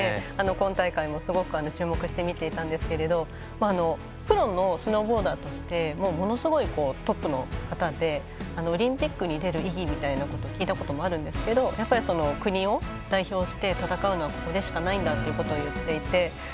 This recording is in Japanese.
今大会もすごく注目して見ていたんですけれどもプロのスノーボーダーとしてものすごいトップの方でオリンピックに出る意義みたいなことを聞いたこともあるんですが国を代表して戦うのはここでしかないんだと言っていて。